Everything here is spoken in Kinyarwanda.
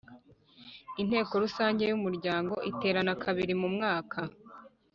Inteko Rusange y’umuryango iterana kabiri mu mwaka